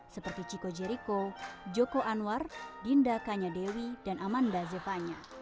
seperti chico jericho joko anwar dinda kanya dewi dan amanda zevanya